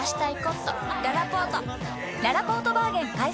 ららぽーとバーゲン開催！